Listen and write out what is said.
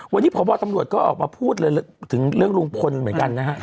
วันนี้พบตำรวจก็ออกมาพูดเลยถึงเรื่องลุงพลเหมือนกันนะฮะ